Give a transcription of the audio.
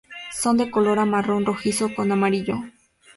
Son de color marrón rojizo con amarillo.